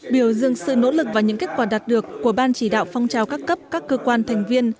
biểu dương sự nỗ lực và những kết quả đạt được của ban chỉ đạo phong trào các cấp các cơ quan thành viên